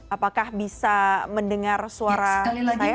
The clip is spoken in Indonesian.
apakah bisa mendengar suara saya